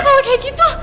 kalau kayak gitu